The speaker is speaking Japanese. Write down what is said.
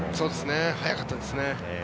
速かったですね。